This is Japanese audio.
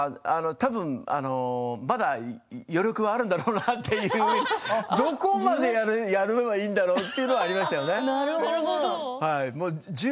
まだ余力はあるんだろうなというふうにどこまでやればいいんだろう？というのはありましたよね。